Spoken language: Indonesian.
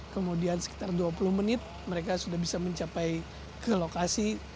kemudian sekitar dua puluh menit mereka sudah bisa mencapai ke lokasi